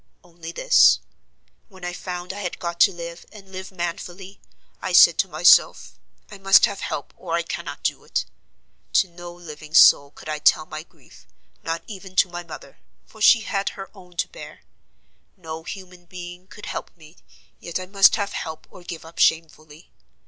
"Only this. When I found I had got to live, and live manfully, I said to myself, 'I must have help or I cannot do it.' To no living soul could I tell my grief, not even to my mother, for she had her own to bear: no human being could help me, yet I must have help or give up shamefully.